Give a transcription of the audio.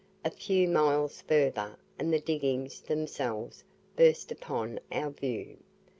A few miles further, and the diggings themselves burst upon our view.